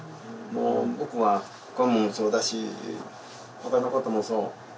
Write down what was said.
もう僕はこれもそうだし他のこともそう。